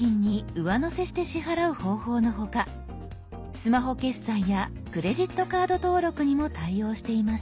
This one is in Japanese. スマホ決済やクレジットカード登録にも対応しています。